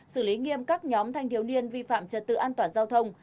xử lý nghiêm các nhóm thanh thiếu niên vi phạm trật tự an toàn giao thông